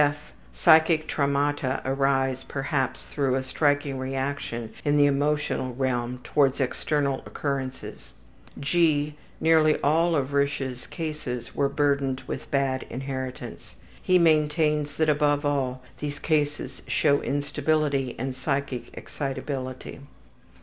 (f) Psychic traumata arise perhaps through a striking reaction in the emotional realm towards external occurrences. (g) Nearly all of Risch's cases were burdened with bad inheritance. He maintains that, above all, these cases show instability and psychic excitability.